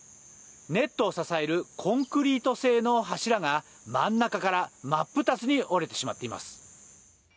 ネットを支えるコンクリート製の柱が真ん中からまっぷたつに折れてしまっています